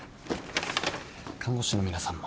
看護師の皆さんも。